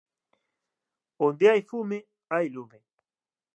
Onde hai fume hai lume.